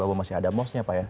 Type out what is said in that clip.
bahwa masih ada mosnya pak ya